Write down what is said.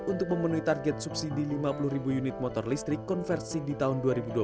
untuk memenuhi target subsidi lima puluh ribu unit motor listrik konversi di tahun dua ribu dua puluh